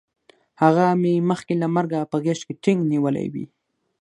هغه مې مخکې له مرګه په غېږ کې ټینګ نیولی وی